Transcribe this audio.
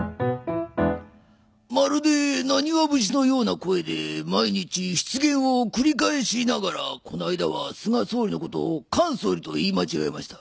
まるでナニワ節のような声で毎日失言を繰り返しながらこの間は菅総理の事を菅総理と言い間違えました。